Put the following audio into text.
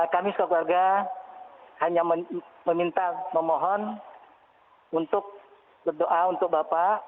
kami sekeluarga hanya meminta memohon untuk berdoa untuk bapak